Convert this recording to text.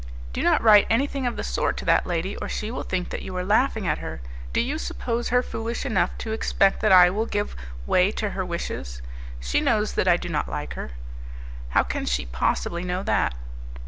"Do not write anything of the sort to that lady, or she will think that you are laughing at her. Do you suppose her foolish enough to expect that I will give way to her wishes? She knows that I do not like her." "How can she possibly know that?"